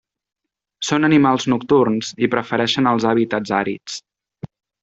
Són animals nocturns i prefereixen els hàbitats àrids.